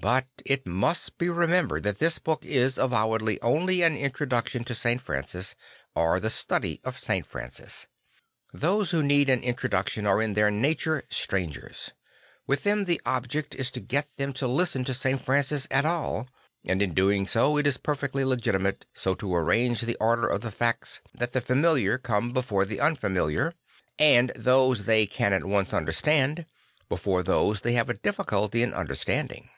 But it must be remembered that this book is avowedly only an introduction to St. Francis or the study of St. Francis. Those who need an introduction are in their nature strangers. With them the object is to get them to listen to St. Francis at all; and in doing so it is perfectly legitimate so to arrange the order of the facts that the familiar come before the unfamiliar and those they can at once under stand before those they ha ve a difficulty in understanding.